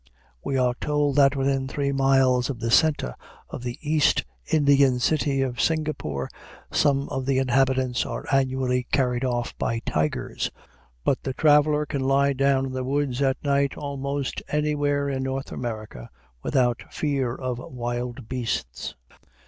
We are told that within three miles of the center of the East Indian city of Singapore, some of the inhabitants are annually carried off by tigers; but the traveler can lie down in the woods at night almost anywhere in North America without fear of wild beasts.